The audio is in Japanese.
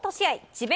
智弁